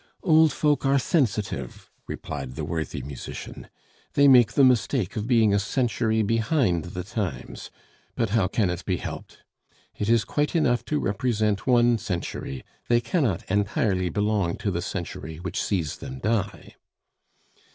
"Old folk are sensitive," replied the worthy musician; "they make the mistake of being a century behind the times, but how can it be helped? It is quite enough to represent one century they cannot entirely belong to the century which sees them die."